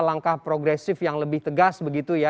langkah progresif yang lebih tegas begitu ya